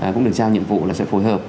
cũng được giao nhiệm vụ là sẽ phối hợp